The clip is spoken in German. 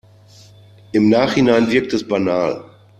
Im Nachhinein wirkt es banal.